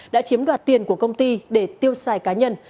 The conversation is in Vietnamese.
đã chiếm đoạt tiền của công ty để tiêu xài cá nhân